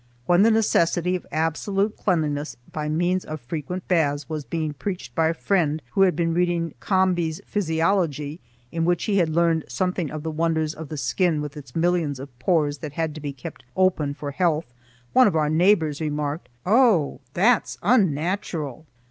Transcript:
When the necessity of absolute cleanliness by means of frequent baths was being preached by a friend who had been reading Combe's Physiology, in which he had learned something of the wonders of the skin with its millions of pores that had to be kept open for health, one of our neighbors remarked: "Oh! that's unnatural.